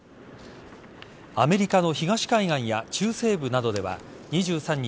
アメリカの東海岸や中西部などでは２３日